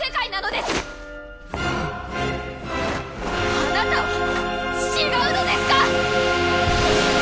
あなたは違うのですか！？